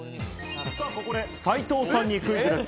ここで斉藤さんにクイズです。